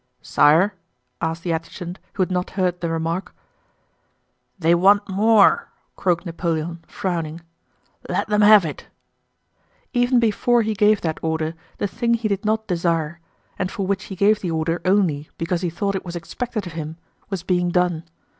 "Sire?" asked the adjutant who had not heard the remark. "They want more!" croaked Napoleon frowning. "Let them have it!" Even before he gave that order the thing he did not desire, and for which he gave the order only because he thought it was expected of him, was being done.